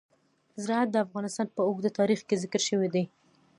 زراعت د افغانستان په اوږده تاریخ کې ذکر شوی دی.